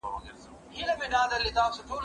هغه وويل چي نان صحي دی!؟